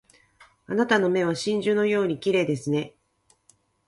あなたの目は真珠のように綺麗ですね